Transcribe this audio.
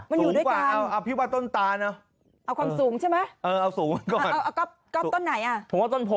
มันอยู่ด้วยกันเอาความสูงใช่ไหมเอาก็ต้นไหนอ่ะผมว่าต้นโพ